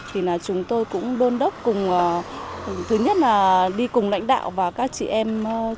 thì là chúng tôi cũng đôn đốc cùng thứ nhất là đi cùng lãnh đạo và các chị em